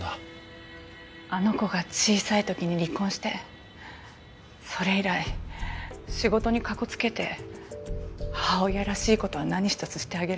あの子が小さい時に離婚してそれ以来仕事にかこつけて母親らしい事は何一つしてあげられなかった。